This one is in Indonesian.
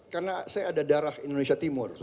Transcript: karena saya ada darah indonesia timur